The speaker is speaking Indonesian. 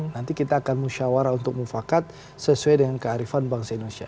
nanti kita akan musyawarah untuk mufakat sesuai dengan kearifan bangsa indonesia